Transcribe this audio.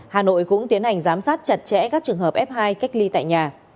hà nội cũng tiến hành giám sát chặt chẽ các trường hợp f hai cách ly tại nhà